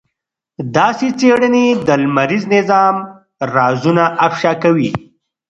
داسې څېړنې د لمریز نظام رازونه افشا کوي.